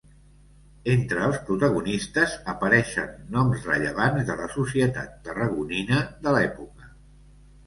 Entre els protagonistes apareixen noms rellevants de la societat tarragonina de l'època.